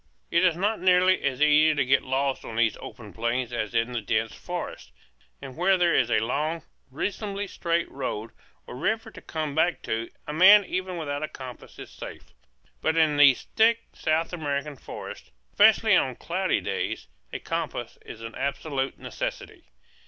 It is not nearly as easy to get lost on these open plains as in the dense forest; and where there is a long, reasonably straight road or river to come back to, a man even without a compass is safe. But in these thick South American forests, especially on cloudy days, a compass is an absolute necessity.